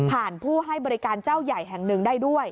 ผู้ให้บริการเจ้าใหญ่แห่งหนึ่งได้ด้วย